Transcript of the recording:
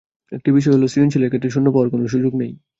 একটি বিষয় হলো, সৃজনশীলের ক্ষেত্রে শূন্য পাওয়ার কোনো সুযোগ নেই।